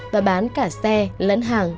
và bán cả xe lẫn hàng